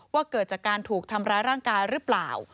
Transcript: เกิดจากการถูกทำร้ายร่างกายหรือเปล่า